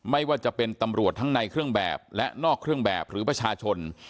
ไม่ว่าจะเป็นตำรวจทั้งในเครื่องแบบและนอกเครื่องแบบหรือประชาชน